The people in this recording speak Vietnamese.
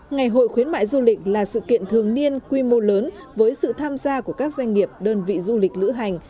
ngày hội khuyến mại du lịch là sự kiện thường niên quy mô lớn với sự tham gia của các doanh nghiệp đơn vị du lịch lữ hành